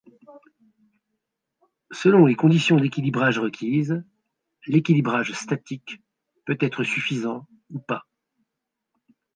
Selon les conditions d'équilibrage requises, l'équilibrage statique peut être suffisant ou pas.